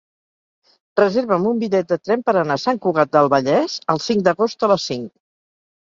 Reserva'm un bitllet de tren per anar a Sant Cugat del Vallès el cinc d'agost a les cinc.